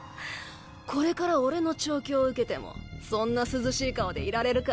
これから俺の調教を受けてもそんな涼しい顔でいられるか？